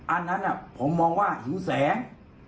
อันนั้นผมมองว่าหิวแสง